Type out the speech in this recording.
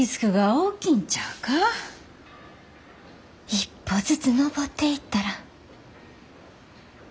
一歩ずつ登っていったらいつかは。